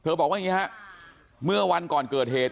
บอกว่าอย่างนี้ฮะเมื่อวันก่อนเกิดเหตุ